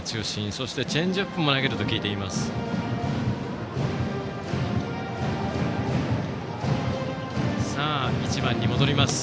そしてチェンジアップも投げると聞いています。